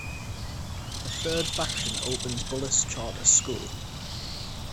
A third faction opened Bullis Charter School.